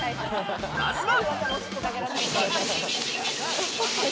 まずは。